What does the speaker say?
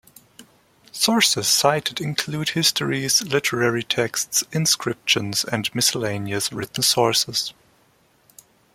Sources cited include histories, literary texts, inscriptions, and miscellaneous written sources.